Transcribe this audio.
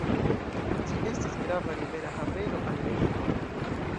Ĝi estas grava rivera haveno al regiono.